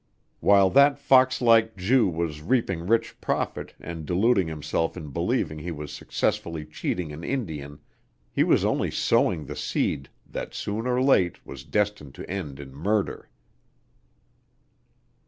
While that fox like Jew was reaping rich profit and deluding himself in believing he was successfully cheating an Indian, he was only sowing the seed that soon or late was destined to end in murder.